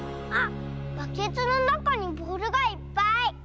あっバケツのなかにボールがいっぱい。